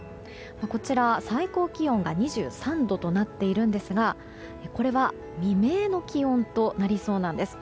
こちら、最高気温が２３度となっているんですがこれは、未明の気温となりそうなんです。